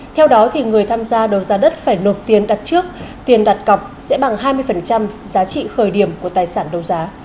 theo đó người tham gia đấu giá đất phải nộp tiền đặt trước tiền đặt cọc sẽ bằng hai mươi giá trị khởi điểm của tài sản đấu giá